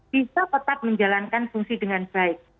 bisa tetap menjalankan fungsi dengan baik